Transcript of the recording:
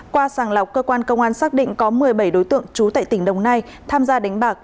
qua sàng lọc cơ quan công an xác định có một mươi bảy đối tượng trú tại tỉnh đồng nai tham gia đánh bạc